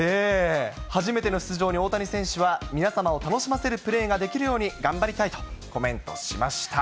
初めての出場に大谷選手は、皆様を楽しませるプレーができるように頑張りたいとコメントしました。